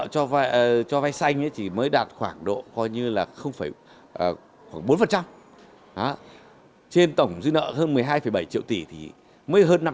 các ngành công nghiệp đang gặp nhiều khó khăn